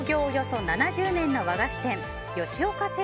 およそ７０年の和菓子店吉岡